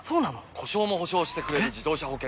故障も補償してくれる自動車保険といえば？